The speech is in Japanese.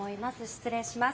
失礼します。